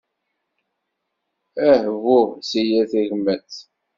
Ahbuh seg yir tagmat.